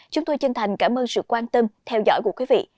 chúng tôi chân thành cảm ơn sự quan tâm theo dõi của quý vị